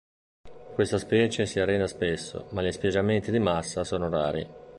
Questa specie si arena spesso ma gli spiaggiamenti di massa sono rari.